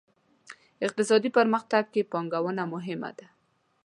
اقتصادي پرمختګ کې پانګونه مهمه ده.